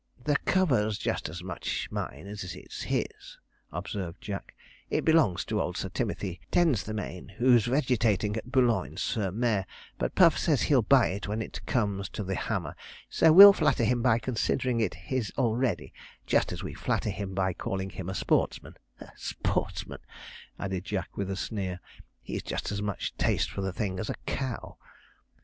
The cover's just as much mine as it's his,' observed Jack; 'it belongs to old Sir Timothy Tensthemain, who's vegetating at Boulogne sur Mer, but Puff says he'll buy it when it comes to the hammer, so we'll flatter him by considering it his already, just as we flatter him by calling him a sportsman sportsman!' added Jack, with a sneer, 'he's just as much taste for the thing as a cow.'